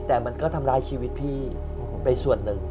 แต่มันก็ทำร้ายชีวิตพี่ไปส่วนหนึ่ง